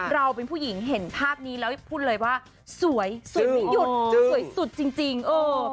เราเป็นผู้หญิงเห็นภาพนี้แล้วพูดเลยว่าสวยสวยไม่หยุดสวยสุดจริงเออ